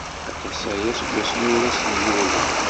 Aṭas aya seg wasmi ur asen-yuri.